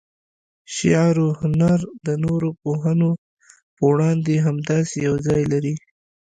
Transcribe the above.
شعر و هنر د نورو پوهنو په وړاندې همداسې یو ځای لري.